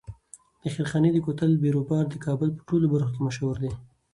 د خیرخانې د کوتل بیروبار د کابل په ټولو برخو کې مشهور دی.